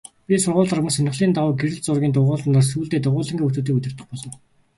Би сургуульд ормогц сонирхлын дагуу гэрэл зургийн дугуйланд орж сүүлдээ дугуйлангийн хүүхдүүдийг удирдах болов.